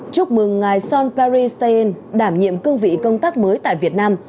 chúc mừng ngài sean perry stay in đảm nhiệm cương vị công tác mới tại việt nam